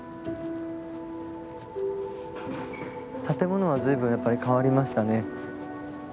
建物は随分やっぱり変わりましたね。